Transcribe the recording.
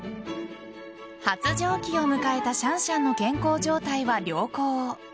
発情期を迎えたシャンシャンの健康状態は良好。